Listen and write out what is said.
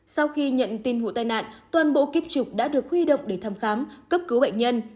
sau khi nhận tin vụ tai nạn toàn bộ kiếp trục đã được huy động để thăm khám cấp cứu bệnh nhân